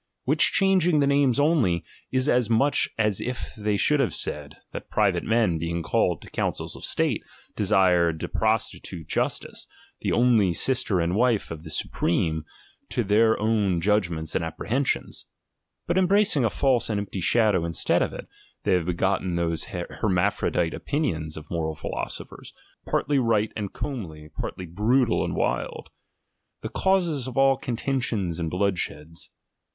Which changing the names only, is as much as if they should have said, that private men being called to councils of state, desired to prostitute jttstice, the only sister and wife of the supreme, to their own judgments and apprehensions ; but em bracing a false and empty shadow instead of it, they have begotten those hermaphrodite opinions of moral philosophers, partly right and comely, partly brutal and wild ; the causes of all contentions and bloodsheds.